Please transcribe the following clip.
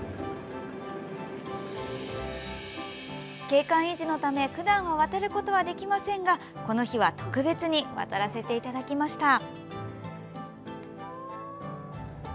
景観維持のためふだんは渡ることはできませんがこの日は特別に渡らせていただきました。